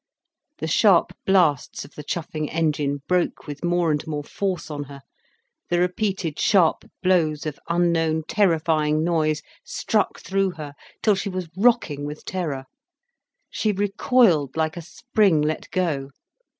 The sharp blasts of the chuffing engine broke with more and more force on her. The repeated sharp blows of unknown, terrifying noise struck through her till she was rocking with terror. She recoiled like a spring let go.